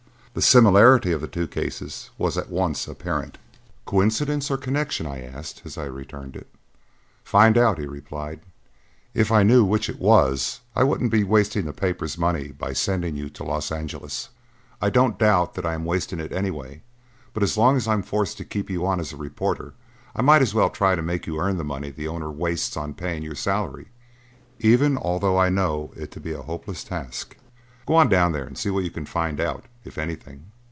The similarity of the two cases was at once apparent. "Coincidence or connection?" I asked as I returned it. "Find out!" he replied. "If I knew which it was I wouldn't be wasting the paper's money by sending you to Los Angeles. I don't doubt that I am wasting it anyway, but as long as I am forced to keep you on as a reporter, I might as well try to make you earn the money the owner wastes on paying you a salary, even although I know it to be a hopeless task. Go on down there and see what you can find out, if anything."